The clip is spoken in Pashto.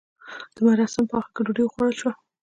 د مراسیمو په اخر کې ډوډۍ وخوړل شوه.